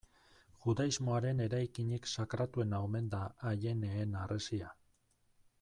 Judaismoaren eraikinik sakratuena omen da Aieneen Harresia.